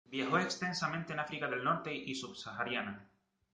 Viajó extensamente en África del Norte y subsahariana.